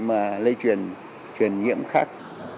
mà lây truyền nhiễm khác